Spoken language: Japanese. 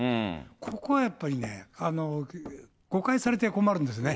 ここはやっぱりね、誤解されては困るんですね。